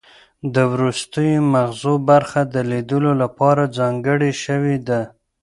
د وروستیو مغزو برخه د لیدلو لپاره ځانګړې شوې ده